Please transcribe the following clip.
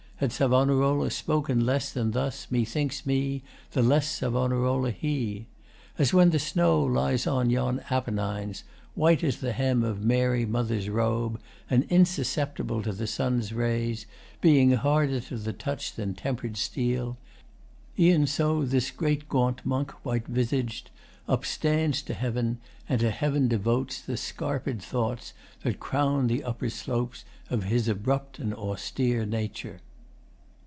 Had Sav'narola spoken less than thus, Methinks me, the less Sav'narola he. As when the snow lies on yon Apennines, White as the hem of Mary Mother's robe, And insusceptible to the sun's rays, Being harder to the touch than temper'd steel, E'en so this great gaunt monk white visaged Upstands to Heaven and to Heav'n devotes The scarped thoughts that crown the upper slopes Of his abrupt and AUStere nature.